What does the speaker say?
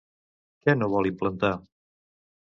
Què no vol implantar?